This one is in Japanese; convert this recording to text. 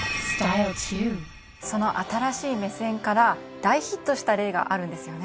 その新しい目線から大ヒットした例があるんですよね？